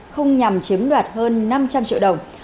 không nhằm chiếm đoạt hơn năm trăm linh triệu đồng